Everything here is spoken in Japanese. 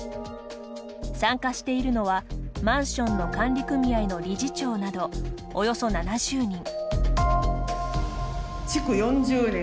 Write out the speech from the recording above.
参加しているのは、マンションの管理組合の理事長などおよそ７０人。